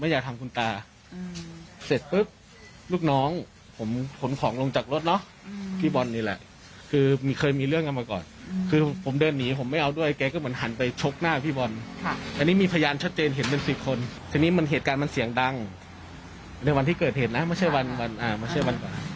ไม่ใช่วันคุณแม่ก็เลยเดินออกมาว่าเอ้ามีเรื่องอะไรกันอีกอะไรอย่างเงี้ย